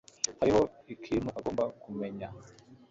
Hariho ikintu agomba kumenya.